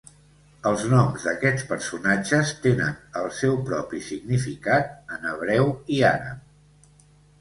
Els noms d'aquests personatges tenen el seu propi significat en hebreu i àrab.